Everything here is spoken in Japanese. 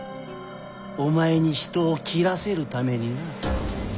お前に人を斬らせるためにな。